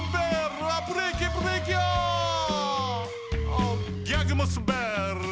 あギャグもスベル。